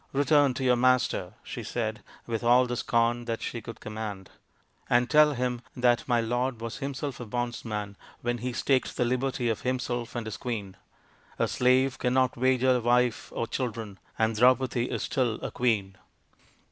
" Return to your master," she said with all the scorn that she could command, " and tell him that my lord was himself a bondsman when he staked the liberty of himself and his queen. A slave cannot wager wife or children, and Draupadi is, still a queen."